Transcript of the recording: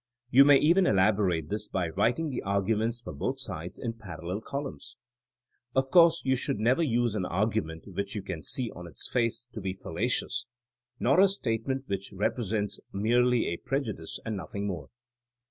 You may even elaborate this by writing the arguments for both sides in parallel columns. Of course you should never use an argument which you can see on its face to be fallacious, nor a statement which repre sents merely a prejudice and nothing more.